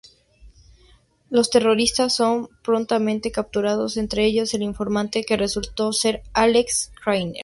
Los terroristas son prontamente capturados, entre ellos el informante, que resultó ser Alex Krycek.